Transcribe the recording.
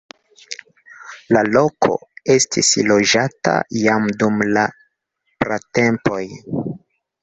La loko estis loĝata jam dum la pratempoj.